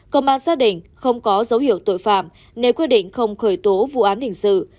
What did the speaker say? công an xác định không có dấu hiệu tội phạm nếu quyết định không khởi tố vụ án hình sự